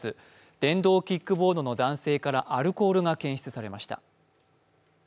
電動キックボードの男性からアルコールが検出されました。